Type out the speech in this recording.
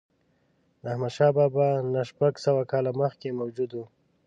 د احمدشاه بابا نه شپږ سوه کاله مخکې موجود و.